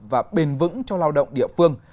và bền vững cho lao động địa phương